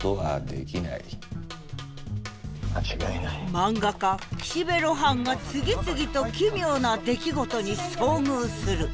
漫画家岸辺露伴が次々と「奇妙」な出来事に遭遇する。